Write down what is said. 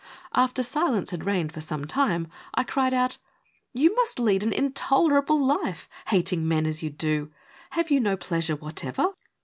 After silence had reigned for some time, I cried out : ''You must lead an intolerable life, hating men as you do! Have you no pleasure whatever?